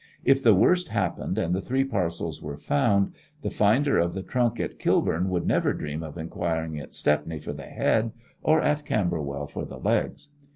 If the worst happened and the three parcels were found, the finder of the trunk at Kilburn would never dream of inquiring at Stepney for the head, or at Camberwell for the legs.